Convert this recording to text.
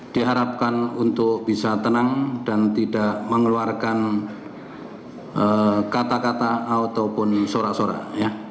diharapkan untuk bisa tenang dan tidak mengeluarkan kata kata ataupun sorak sorak